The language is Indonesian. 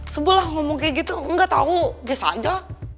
sebelah ngomong kayak gitu gak tau biasa aja